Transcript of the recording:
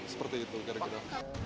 seperti itu kira kira